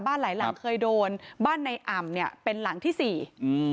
หลายหลังเคยโดนบ้านในอ่ำเนี้ยเป็นหลังที่สี่อืม